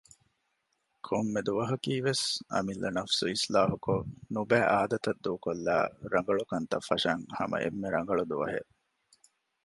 ކޮންމެ ދުވަހަކީވެސް އަމިއްލަ ނަފްސު އިސްލާހުކޮށް ނުބައި އާދަތައް ދޫކޮށްލައި ރަނގަޅުކަންތައް ފަށަން ހަމަ އެންމެ ރަނގަޅު ދުވަހެއް